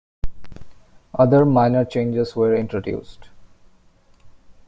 Other minor changes were introduced.